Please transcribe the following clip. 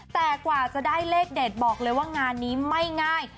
แต่กว่าจะได้เลขเด็ดบอกเลยว่างานนี้ไม่ง่าย